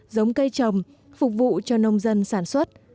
giống cây trồng phục vụ cho nông dân sản xuất